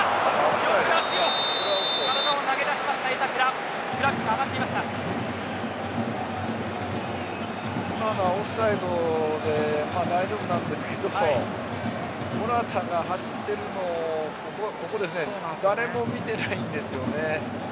今のはオフサイドで大丈夫なんですけどモラタが走っているのを誰も見てないんですよね。